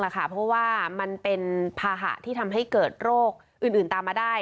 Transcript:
เพราะว่ามันเป็นภาหะที่ทำให้เกิดโรคอื่นตามมาได้